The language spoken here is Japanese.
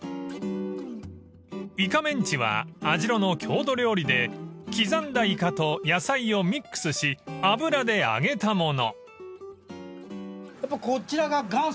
［イカメンチは網代の郷土料理で刻んだイカと野菜をミックスし油で揚げたもの］